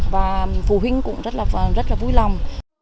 và phụ huynh cũng rất là vui lòng